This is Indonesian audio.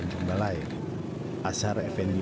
mengenai yang terjadi